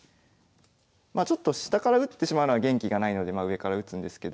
まあちょっと下から打ってしまうのは元気がないので上から打つんですけど。